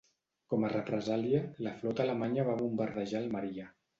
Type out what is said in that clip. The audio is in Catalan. Com a represàlia, la flota alemanya va bombardejar Almeria.